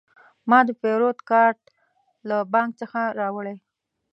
ما د پیرود کارت له بانک څخه راوړی.